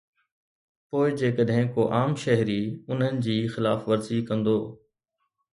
پوءِ جيڪڏهن ڪو عام شهري انهن جي خلاف ورزي ڪندو.